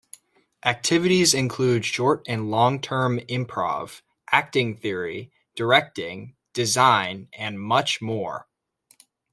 Activities include short and long term improv, acting theory, directing, design, and much more.